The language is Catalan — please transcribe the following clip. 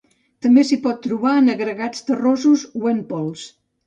També s'hi pot trobar en agregats terrosos o en pols.